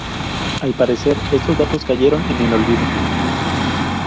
Al parecer, estos datos cayeron en el olvido.